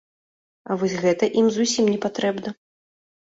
А вось гэта ім зусім непатрэбна.